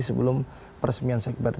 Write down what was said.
sebelum peresmian sekber